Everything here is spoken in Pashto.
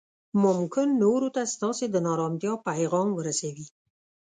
ممکن نورو ته ستاسې د نا ارامتیا پیغام ورسوي